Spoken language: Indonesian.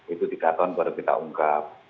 itu tiga tahun baru kita ungkap